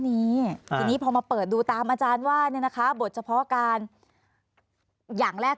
นี้ทีนี้พอมาเปิดดูตามอาจารย์ว่าเนี่ยนะคะบทเฉพาะการอย่างแรก